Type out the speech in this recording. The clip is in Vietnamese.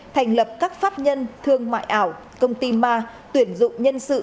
thành lập các pháp nhân thương mại ảo công ty ma tuyển dụng nhân sự